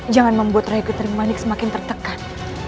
jangan membuat rai putri manik semakin tertekan